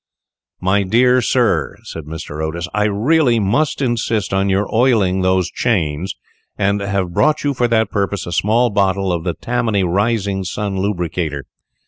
"My dear sir," said Mr. Otis, "I really must insist on your oiling those chains, and have brought you for that purpose a small bottle of the Tammany Rising Sun Lubricator.